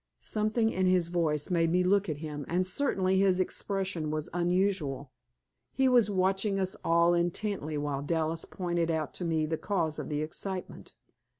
Something in his voice made me look at him, and certainly his expression was unusual. He was watching us all intently while Dallas pointed out to me the cause of the excitement.